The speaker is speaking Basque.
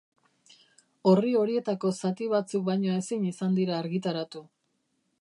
Orri horietako zati batzuk baino ezin izan dira argitaratu.